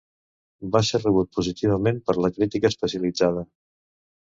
Va ser rebut positivament per la crítica especialitzada.